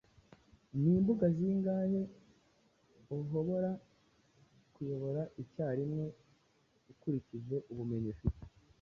Nimbuga zingahe uhobora kuyobora icyarimwe, ukurikije ubumenyi ufite